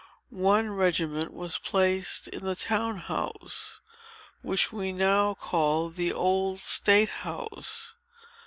One regiment was placed in the town house, which we now call the Old State House.